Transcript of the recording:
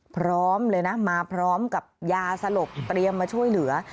พร้อมเลยนะมาพร้อมกับยาสลบเตรียมมาช่วยเหลือ